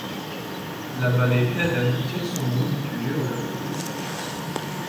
La vallée Hayden tire son nom du géologue.